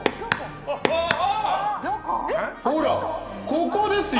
ここですよ。